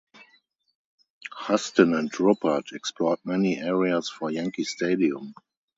Huston and Ruppert explored many areas for Yankee Stadium.